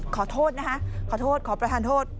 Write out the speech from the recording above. ขอโทษนะคะขอโทษขอประทานโทษ